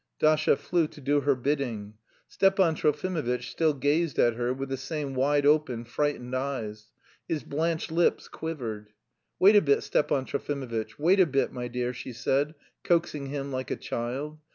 Dasha flew to do her bidding. Stepan Trofimovitch still gazed at her with the same wide open, frightened eyes; his blanched lips quivered. "Wait a bit, Stepan Trofimovitch, wait a bit, my dear!" she said, coaxing him like a child.